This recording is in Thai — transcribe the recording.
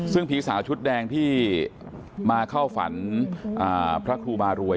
ซึ่งผีสาวชุดแดงที่มาเข้าฝันพระครูบารวย